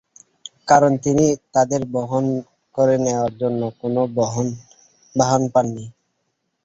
কারণ তিনি তাদের বহন করে নেয়ার জন্য কোন বাহন পাননি।